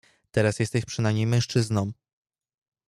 "Teraz jesteś przynajmniej mężczyzną!"